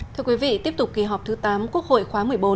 thưa quý vị tiếp tục kỳ họp thứ tám quốc hội khóa một mươi bốn